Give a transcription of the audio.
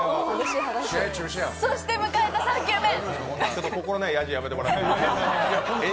そして迎えた３球目。